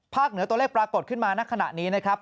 เหนือตัวเลขปรากฏขึ้นมาณขณะนี้นะครับ